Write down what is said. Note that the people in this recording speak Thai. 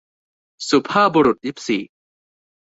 สุภาพบุรุษยิปซี